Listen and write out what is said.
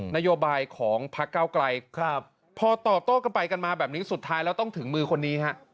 นโยบายของพักเก้าไกลพอตอบโต้กันไปกันมาแบบนี้สุดท้ายแล้วต้องถึงมือคนนี้ฮะ